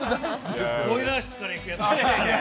ボイラー室から行くやつ。